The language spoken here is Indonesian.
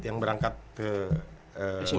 yang berangkat ke